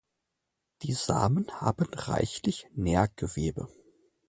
Die Samen haben reichlich Nährgewebe.